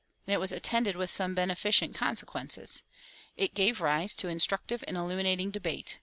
And it was attended with some beneficent consequences. It gave rise to instructive and illuminating debate.